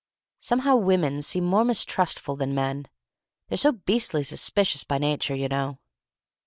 Somehow women seem more mistrustful than men. They're so beastly suspicious by nature, you know."